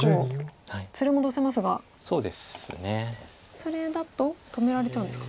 それだと止められちゃうんですか。